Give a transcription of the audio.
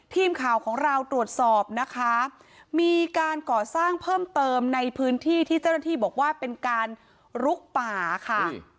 ทีมข่าวของเราตรวจสอบนะคะมีการก่อสร้างเพิ่มเติมในพื้นที่ที่เจ้าหน้าที่บอกว่าเป็นการลุกป่าค่ะ